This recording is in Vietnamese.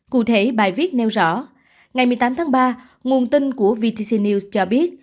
cụ thể bài viết nêu rõ ngày một mươi tám tháng ba nguồn tin của vtc news cho biết